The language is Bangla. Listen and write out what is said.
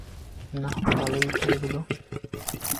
না, ভালোই তো এগুলো।